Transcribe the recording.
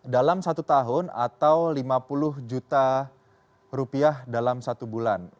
dalam satu tahun atau lima puluh juta rupiah dalam satu bulan